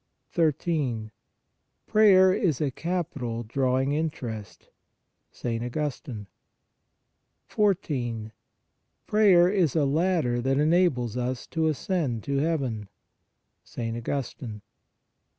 13. Prayer is a capital drawing interest (St. Augustine). 14. Prayer is a ladder that enables us to ascend to heaven (St. Augustine).